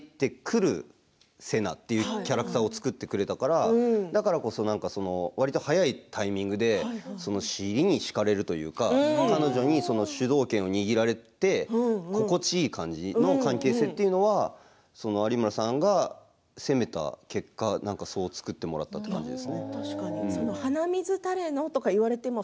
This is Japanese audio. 瀬名というキャラクターを作ってくれたからだからこそ早いタイミングで尻に敷かれるというか彼女に主導権を握られて心地いい感じの関係性というのは有村さんが攻めた結果、そう作ってもらったという感じです。